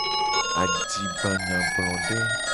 Adigbanyagblode.